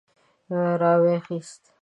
را وايي خيست.